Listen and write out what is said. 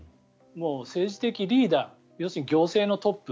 政治的リーダー要するに行政のトップ